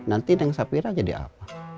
nanti neng safira jadi apa